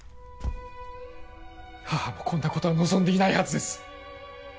母もこんなことは望んでいないはずです